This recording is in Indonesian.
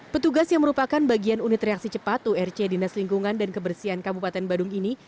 petugas yang merupakan bagian unit reaksi cepat urc dinas lingkungan dan kebersihan kabupaten badung ini